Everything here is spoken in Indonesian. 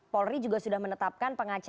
polri juga sudah menetapkan pengacara